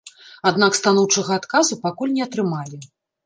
Аднак станоўчага адказу пакуль не атрымалі.